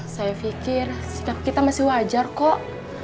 saya pikir sikap kita masih wajar kok